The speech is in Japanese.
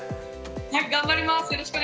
頑張ります。